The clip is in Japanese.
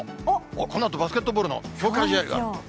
このあとバスケットボールの強化試合がある。